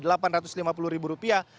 satu orang hanya bisa mengantre untuk satu tiket